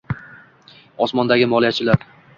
osmondagi_moliyachilar